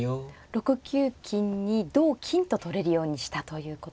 ６九金に同金と取れるようにしたということですね。